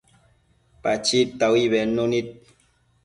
Pachid taui bednu nid